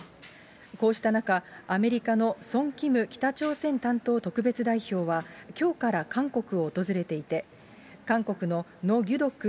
こうした中、アメリカのソン・キム北朝鮮担当特別代表は、きょうから韓国を訪れていて、韓国のノ・ギュドク